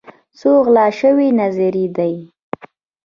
څو غلا شوي نظريې دي